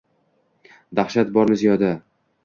Dahshat bormi ziyoda?